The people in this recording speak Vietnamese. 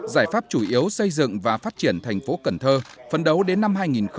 giải pháp chủ yếu xây dựng và phát triển thành phố cần thơ phấn đấu đến năm hai nghìn hai mươi